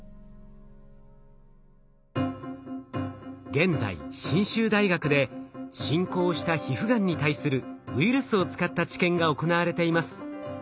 現在信州大学で進行した皮膚がんに対するウイルスを使った治験が行われています。